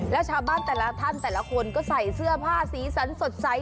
แล้วชาวบ้านแต่ละท่านแต่ละคนก็ใส่เสื้อผ้าสีสันสดใส